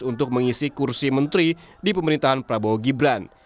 untuk mengisi kursi menteri di pemerintahan prabowo gibran